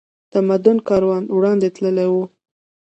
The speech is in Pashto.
تمدن کاروان وړاندې تللی و